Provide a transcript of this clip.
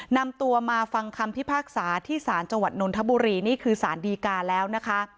นำตัวมาฟังคำพิพากษาที่ศาลจังหวัดนนทบุรีนี่คือสารดีกาแล้วนะคะ